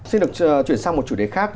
xin được chuyển sang một chủ đề khác